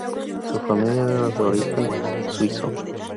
Su familia era de origen suizo.